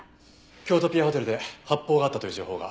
キョウトピアホテルで発砲があったという情報が。